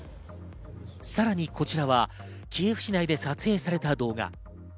さらにこちらはキエフ市内で撮影された動画。